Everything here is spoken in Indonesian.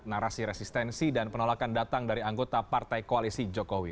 narasi resistensi dan penolakan datang dari anggota partai koalisi jokowi